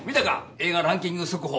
映画ランキング速報。